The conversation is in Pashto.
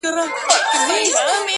زه چي هر څومره زړيږم حقیقت را څرګندیږي،